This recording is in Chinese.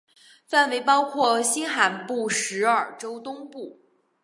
范围包括新罕布什尔州东部。